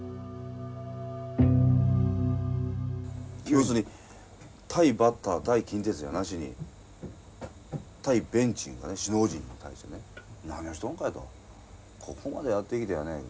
要するに対バッター対近鉄じゃなしに対ベンチ首脳陣に対してね何をしとんかいとここまでやってきてやね。